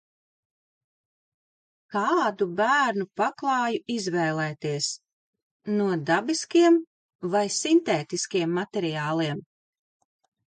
Kādu bērnu paklāju izvēlēties – no dabiskiem vai sintētiskiem materiāliem?